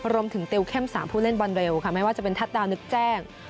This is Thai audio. ติวเข้ม๓ผู้เล่นบอลเร็วค่ะไม่ว่าจะเป็นทัศน์ดาวนึกแจ้ง